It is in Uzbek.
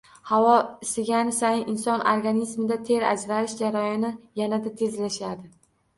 Havo isigani sayin inson organizmida ter ajralish jarayoni yanada tezlashadi